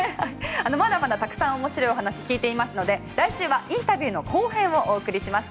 まだまだたくさん面白いお話聞いていますので来週はインタビューの後編をお送りします。